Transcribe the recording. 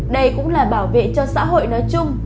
đây cũng là bảo vệ cho xã hội nói chung